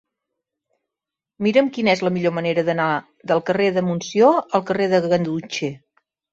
Mira'm quina és la millor manera d'anar del carrer de Montsió al carrer de Ganduxer.